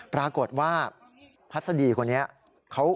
ปรากฏว่าพัศดีคนนี้เขา